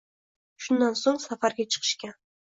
Shundan so‘ng safarga chiqishgan